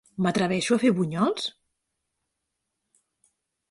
M'atreveixo a fer bunyols?